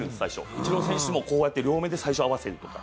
イチロー選手もこうやって両目で最初、合わせるとか。